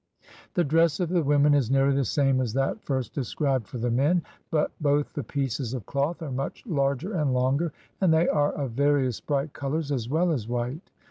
The dress of the women is nearly the same as that first described for the men ; but both the pieces of cloth are much larger and longer, and they are of various bright colors as well as white.